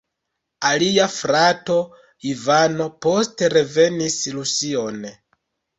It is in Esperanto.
Alia frato "Ivano" poste revenis Rusion.